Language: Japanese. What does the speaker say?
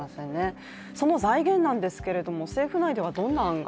その財源なんですけども、政府内ではどんな案が？